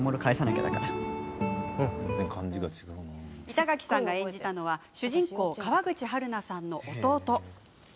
板垣さんが演じたのは主人公、川口春奈さんの弟。